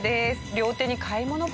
両手に買い物袋。